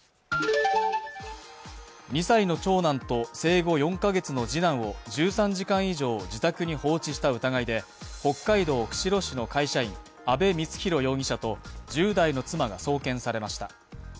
２歳の長男と生後４カ月の次男を１３時間以上、自宅に放置した疑いで北海道釧路市の会社員、阿部光浩容疑者と１０代の妻が送検されました。